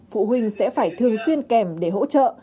phụ huynh sẽ phải thường xuyên kèm để hỗ trợ